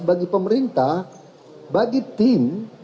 bagi pemerintah bagi tim